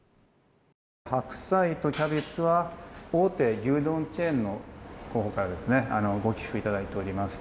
白菜とキャベツは大手牛丼チェーンのほうからご寄付いただいています。